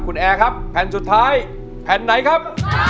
คุณแอร์ครับแผ่นสุดท้ายแผ่นไหนครับ